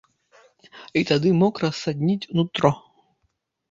І тады мокра садніць нутро.